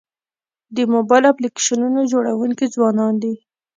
د موبایل اپلیکیشنونو جوړونکي ځوانان دي.